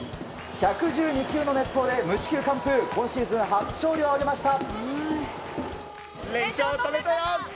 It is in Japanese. １１２球の熱投で無四球完封今シーズン初勝利を挙げました！